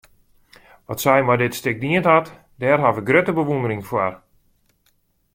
Wat sy mei dit stik dien hat, dêr haw ik grutte bewûndering foar.